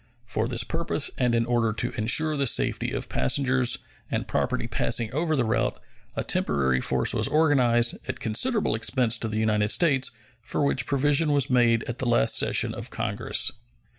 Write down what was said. For this purpose, and in order to insure the safety of passengers and property passing over the route, a temporary force was organized, at considerable expense to the United States, for which provision was made at the last session of Congress.